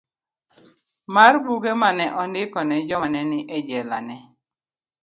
d. mar Buge ma ne ondiko ne joma ne ni e jela ne